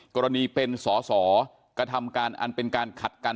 กรณีเป็นสอสอกระทำการอันเป็นการขัดกัน